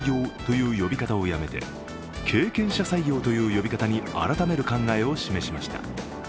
経団連の十倉会長は中途採用という呼び方をやめて経験者採用という呼び方に改める考えを示しました。